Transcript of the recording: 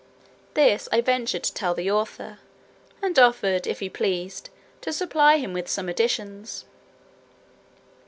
This I ventured to tell the author, and offered, if he pleased, to supply him with some additions.